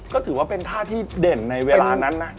ก็ถือว่าเป็นท่าที่เด่นในเวลานั้นนะ